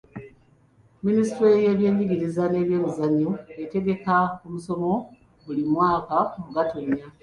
Minisitule y'ebyenjigiriza n'ebyemizannyo etegeka omusomo buli mwaka mu Gatonnya